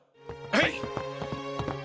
はい！